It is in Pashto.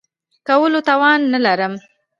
کولو توان نه لرم .